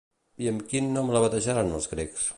I amb quin nom la batejaren els grecs?